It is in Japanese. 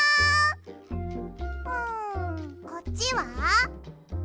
うんこっちは？